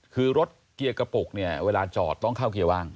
คือรถเกียร์กระปุกเนี่ยเวลาจอดต้องเข้าเกียร์ว่าง